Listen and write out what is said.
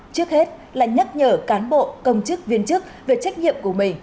trước hết là nhắc nhở cán bộ công chức viên chức về trách nhiệm của mình